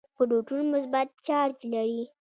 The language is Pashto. پروټون مثبت چارج لري.